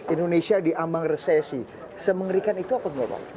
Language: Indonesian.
indonesia diambang resesi semengerikan itu apa pak